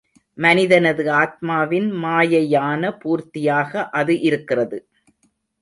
மனிதனது ஆத்மாவின் மாயையான பூர்த்தியாக அது இருக்கிறது.